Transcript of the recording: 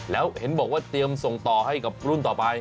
แล้วเห็นบอกว่าเตรียมส่งต่อให้กับรุ่นต่อไป